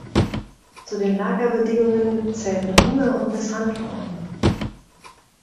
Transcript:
Zu den Lagerbedingungen zählten Hunger und Misshandlungen.